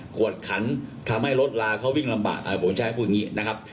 วดขันทำให้รถลาเขาวิ่งลำบากผมใช้พูดอย่างนี้นะครับ